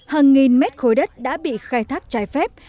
hàng nghìn mét khối đất đã bị khai thác trái phép